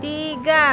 tidak ini mereka semua